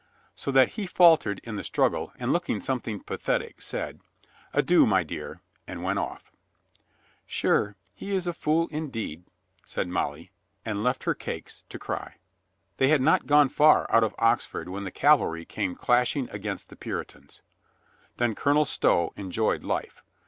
So that he faltered in the struggle, and looking something pathetic, said, "Adieu, my dear," and went off. "Sure, he is a fool indeed," said Molly, and left her cakes, to cry. They had not gone far out of Oxford when the cavalry came clashing against the Puritans. Then Colonel Stow enjoyed life.